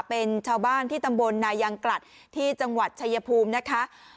เป็นชาวบ้านที่ตำบลนายังกลัดที่จังหวัดชายภูมินะคะ